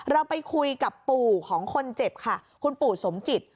เราไปคุยกับปู่ของคนเจ็บค่ะคุณปู่สมจิต